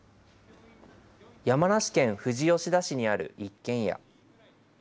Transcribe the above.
山梨県富士吉田市にある一軒家。